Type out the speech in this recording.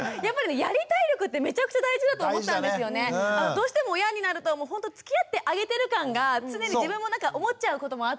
どうしても親になるともうほんとつきあってあげてる感が常に自分も思っちゃうこともあって。